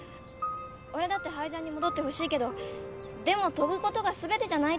俺だってハイジャンに戻ってほしいけどでも跳ぶことが全てじゃないっていうかさ。